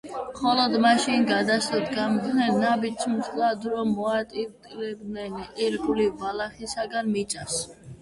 მხოლოდ მაშინ გადასდგამდნენ ნაბიჯს, მთლად რომ მოატიტვლებდნენ ირგვლივ ბალახისაგან მიწას.